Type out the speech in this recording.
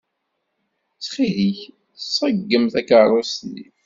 Ttxil-k, ṣeggem takeṛṛust-nni.